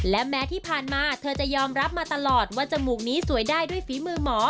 และแม้ที่ผ่านมาเธอจะยอมรับมาตลอดว่าจมูกนี้สวยได้ด้วยฝีมือหมอ